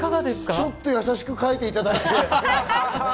ちょっと優しく描いていただいて。